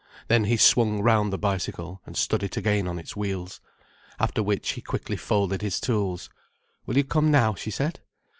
Then he swung round the bicycle, and stood it again on its wheels. After which he quickly folded his tools. "Will you come now?" she said.